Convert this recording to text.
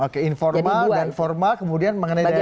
oke informal dan formal kemudian mengenai daya saing